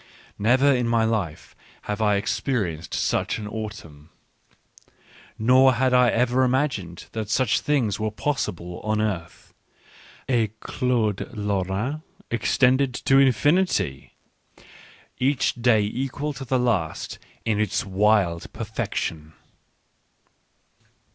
Never in my life have I experienced such an autumn ; nor had I ever imagined that such things were possible on earth — a Claude Lorrain extended to infinity, each day equal to the last in its wild perfection.